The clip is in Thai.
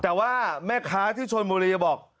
แต่ว่าแม่ค้าที่ชนบุรีบอก